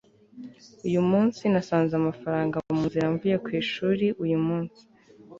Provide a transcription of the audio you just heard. uyu munsi nasanze amafaranga mu nzira mvuye ku ishuri uyu munsi